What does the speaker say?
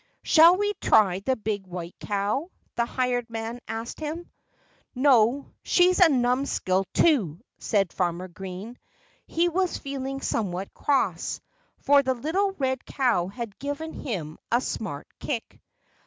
"Shall we try the big white cow?" the hired man asked him. "No! She's a numskull too," said Farmer Green. He was feeling somewhat cross, for the little red cow had given him a smart kick.